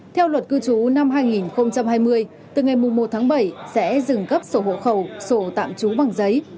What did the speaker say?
theo luật cư trú năm hai nghìn hai mươi từ ngày một tháng bảy sẽ dừng cấp sổ hộ khẩu sổ tạm trú bằng giấy